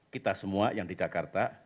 kita semua yang di jakarta